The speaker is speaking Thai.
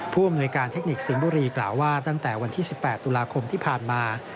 ผู้อำนวยการเทคนิคสิงห์บุรีกล่าวว่าตั้งแต่วันที่๑๘ตุลาคมที่ผ่านมา